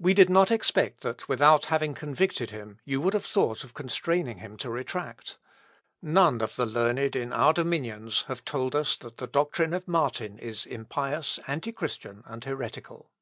We did not expect that without having convicted him you would have thought of constraining him to retract. None of the learned in our dominions have told us that the doctrine of Martin is impious, antichristian, and heretical."